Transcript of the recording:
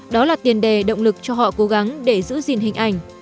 đó là tiền đề động lực cho họ cố gắng để giữ gìn hình ảnh